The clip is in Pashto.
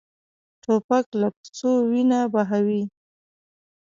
توپک له کوڅو وینه بهوي.